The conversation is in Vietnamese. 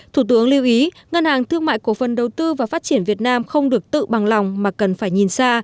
thủ tướng lưu ý ngân hàng thương mại cổ phần đầu tư và phát triển việt nam không được tự bằng lòng mà cần phải nhìn xa